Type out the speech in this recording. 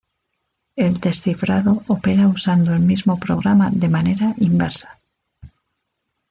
El descifrado opera usando el mismo programa de manera inversa.